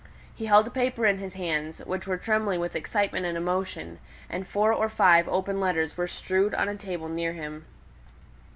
He held a paper in his hands, which were trembling with excitement and emotion; and four or five open letters were strewed on a table near him.